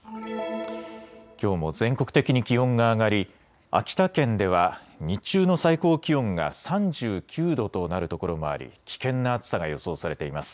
きょうも全国的に気温が上がり秋田県では日中の最高気温が３９度となるところもあり危険な暑さが予想されています。